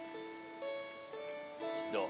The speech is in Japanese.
どう？